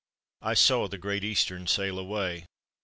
I saw the Great Eastern sail away.